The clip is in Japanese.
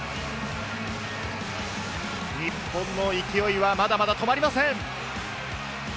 日本の勢いはまだまだ止まりません。